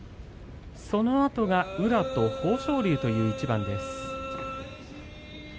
そのあとが宇良と豊昇龍という一番です。